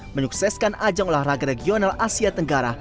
menyukseskan ajang olahraga regional asia tenggara